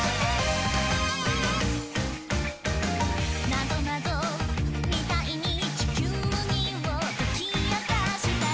「ナゾナゾみたいに地球儀を解き明かしたら」